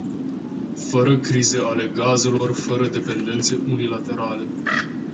Fără crize ale gazelor, fără dependențe unilaterale.